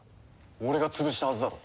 俺が潰したはずだろ。